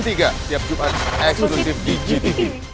tiap jumat eksklusif di gtv